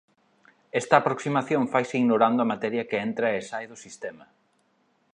Esta aproximación faise ignorando a materia que entra e sae do sistema.